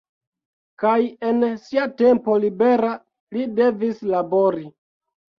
Kaj en sia tempo libera li devis labori.